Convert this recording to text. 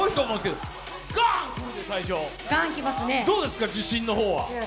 どうですか、自信の方は。